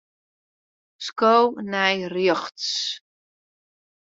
Sko nei rjochts.